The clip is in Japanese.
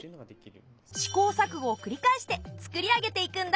試行錯誤を繰り返してつくり上げていくんだ。